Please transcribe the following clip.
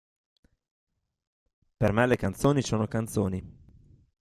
Per me le canzoni sono canzoni".